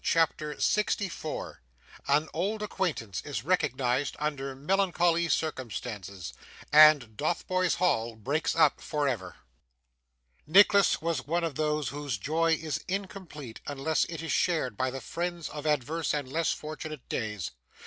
CHAPTER 64 An old Acquaintance is recognised under melancholy Circumstances, and Dotheboys Hall breaks up for ever Nicholas was one of those whose joy is incomplete unless it is shared by the friends of adverse and less fortunate days.